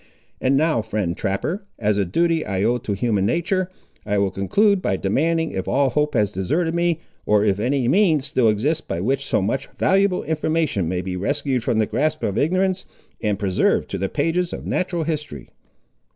And now, friend trapper, as a duty I owe to human nature, I will conclude by demanding if all hope has deserted me, or if any means still exist by which so much valuable information may be rescued from the grasp of ignorance, and preserved to the pages of natural history."